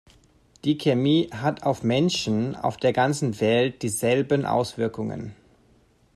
Die Chemie hat auf Menschen auf der ganzen Welt dieselben Auswirkungen.